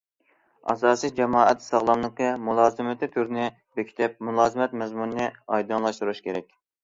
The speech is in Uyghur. ئاساسىي جامائەت ساغلاملىقى مۇلازىمىتى تۈرىنى بېكىتىپ، مۇلازىمەت مەزمۇنىنى ئايدىڭلاشتۇرۇش كېرەك.